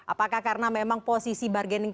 apakah karena memang posisi bargaining